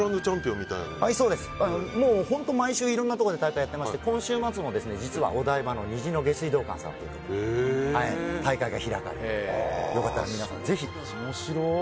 毎週いろんなところで大会をやっていまして今週末も実はお台場の虹の下水道管で大会が開かれるのでよかったら皆さん、ぜひ。